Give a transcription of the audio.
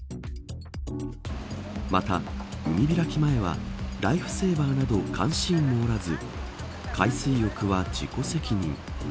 また海開き前はライフセーバーなど監視員もおらず海水浴は自己責任。